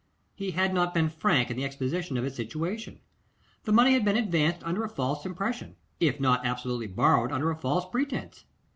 He had not been frank in the exposition of his situation. The money had been advanced under a false impression, if not absolutely borrowed under a false pretence.